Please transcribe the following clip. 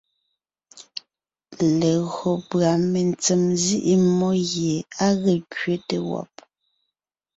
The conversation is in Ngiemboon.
Legÿo pʉ́a mentsèm nzíʼi mmó gie á ge kẅete wɔ́b,